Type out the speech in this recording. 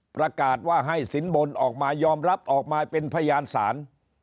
ประกาศว่าให้สินบนออกมายอมรับออกมาเป็นพยานศาล